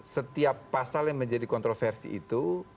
setiap pasal yang menjadi kontroversi itu